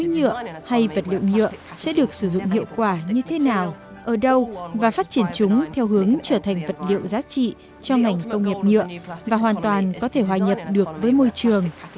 nhựa hay vật liệu nhựa sẽ được sử dụng hiệu quả như thế nào ở đâu và phát triển chúng theo hướng trở thành vật liệu giá trị cho ngành công nghiệp nhựa và hoàn toàn có thể hòa nhập được với môi trường